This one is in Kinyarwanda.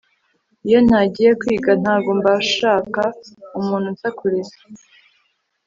Iyo ntangiyekwiga ntago mbanshaka umuntu unsakuriza